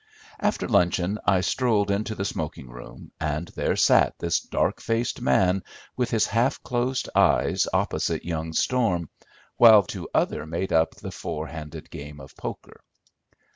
After luncheon I strolled into the smoking room, and there sat this dark faced man with his half closed eyes opposite young Storm, while two others made up the four handed game of poker.